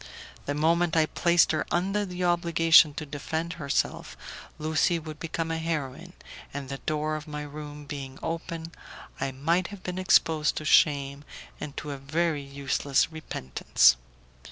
The moment I placed her under the obligation to defend herself Lucie would become a heroine, and the door of my room being open, I might have been exposed to shame and to a very useless repentance.